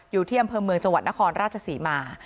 อยู่ที่อำเภอเมืองจังหวัดนครราชศรีมา